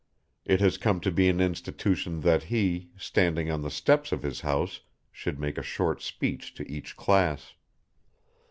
It has come to be an institution that he, standing on the steps of his house, should make a short speech to each class.